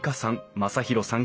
正浩さん